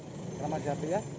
keramat jati ya